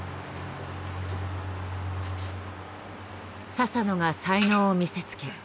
佐々野が才能を見せつけ